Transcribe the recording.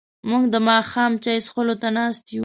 موږ د ماښام چای څښلو ته ناست یو.